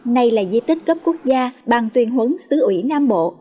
nay là di tích cấp quốc gia bằng tuyên hốn xứ ủy nam bộ